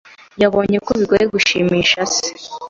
Yabonye ko bigoye gushimisha se.